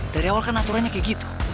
dari awal kan aturannya kayak gitu